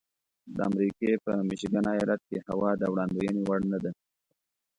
د امریکې په میشیګن ایالت کې هوا د وړاندوینې وړ نه ده.